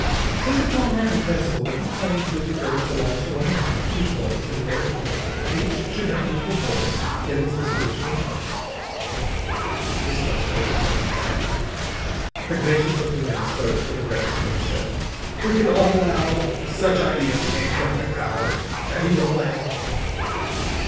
"Says it's all right in principle; but he claims that the earth belongs to one and all, equally, and therefore each should have an equal voice in its disposition and government." This time there was no smiling. The pugnacious looking man spoke for the rest when he said: "We cannot allow such ideas to gain headway, Powart! Have you a plan?"